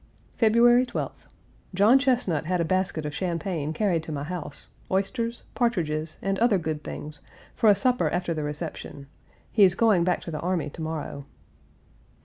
February 12th. John Chesnut had a basket of champagne carried to my house, oysters, partridges, and other good things, for a supper after the reception. He is going back to the army to morrow.